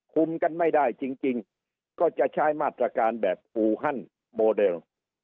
คุมกันไม่ได้จริงก็จะใช้มาตรการแบบอูฮันโมเดล